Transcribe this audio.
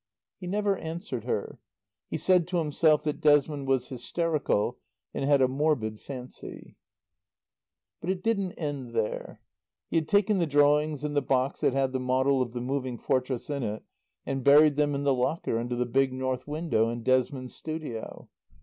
He never answered her. He said to himself that Desmond was hysterical and had a morbid fancy. But it didn't end there. He had taken the drawings and the box that had the model of the Moving Fortress in it and buried them in the locker under the big north window in Desmond's studio.